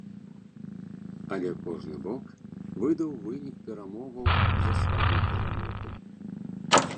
Але кожны бок выдаў вынік перамоваў за сваю перамогу.